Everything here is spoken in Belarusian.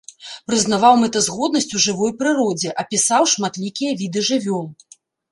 Прызнаваў мэтазгоднасць у жывой прыродзе, апісаў шматлікія віды жывёл.